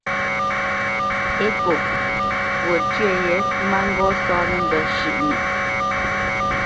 Ekô fwo tyə yě má ŋgó sáánə̄ mbə́ shʉ́ʼnə.